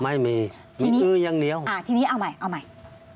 ไม่มีมีซื้ออย่างเดียวอ่าทีนี้เอาใหม่เอาใหม่